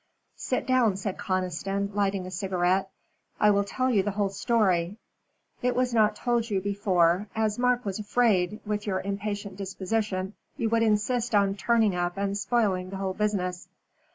"Sit down," said Conniston, lighting a cigarette. "I will tell you the whole story. It was not told you before, as Mark was afraid, with your impatient disposition, you would insist on turning up and spoiling the whole business."